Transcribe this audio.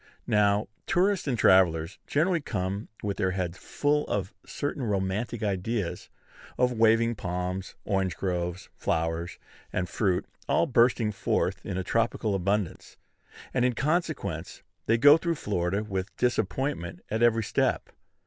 Now, tourists and travellers generally come with their heads full of certain romantic ideas of waving palms, orange groves, flowers, and fruit, all bursting forth in tropical abundance; and, in consequence, they go through Florida with disappointment at every step.